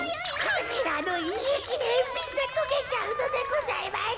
クジラのいえきでみんなとけちゃうのでございます。